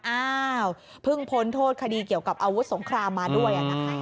อ้าวเพิ่งพ้นโทษคดีเกี่ยวกับอาวุธสงครามมาด้วยนะคะ